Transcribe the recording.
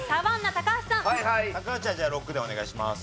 高橋はじゃあ６でお願いします。